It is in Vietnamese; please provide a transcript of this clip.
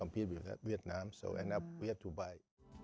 thị trường thế giới